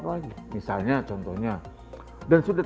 karena kecenderungan manusia sekarang menggunakan analog lagi